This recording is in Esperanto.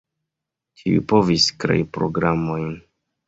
Ĉiuj povis krei programojn.